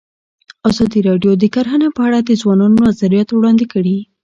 ازادي راډیو د کرهنه په اړه د ځوانانو نظریات وړاندې کړي.